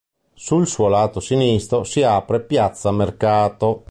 Sul suo lato sinistro si apre "piazza Mercato".